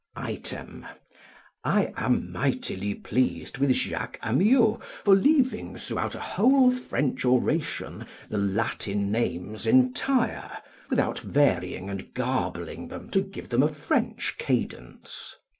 Item, I am mightily pleased with Jacques Amyot for leaving, throughout a whole French oration, the Latin names entire, without varying and garbling them to give them a French cadence.